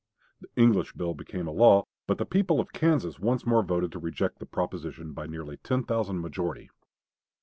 The English bill became a law; but the people of Kansas once more voted to reject the "proposition" by nearly ten thousand majority.